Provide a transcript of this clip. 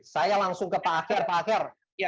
saya langsung ke pak aker